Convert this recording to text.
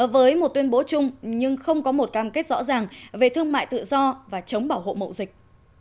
với một tuyên bố chung nhưng không có một cam kết rõ ràng về thương mại tự do và chống bảo hộ mậu dịch